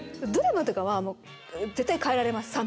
ドラマとかはもう絶対替えられます